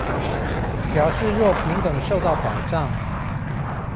表示若平等受到保障